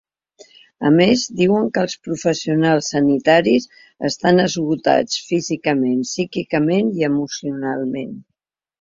A més, diuen que els professionals sanitaris estan esgotats físicament, psíquicament i emocionalment.